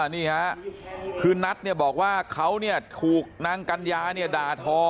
นี่ค่ะคือนัทบอกว่าเขาถูกนางกัญญาเนี่ยด่าทอ